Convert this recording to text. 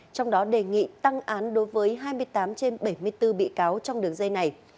trong đó đề nghị tăng án đối với hai mươi tám trên bảy mươi bốn bị cáo trong đường dây này